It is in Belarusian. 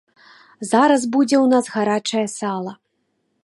Зараз будзе ў нас гарачае сала.